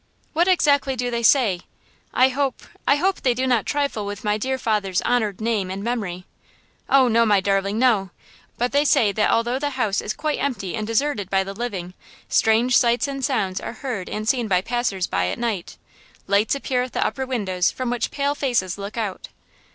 "What exactly do they say? I hope–I hope they do not trifle with my dear father's honored name and memory?" "Oh, no, my darling! no! but they say that although the house is quite empty and deserted by the living strange sights and sounds are heard and seen by passers by at night. Lights appear at the upper windows from which pale faces look out."